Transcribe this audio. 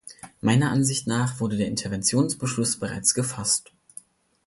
Meiner Ansicht nach wurde der Interventionsbeschluss bereits gefasst.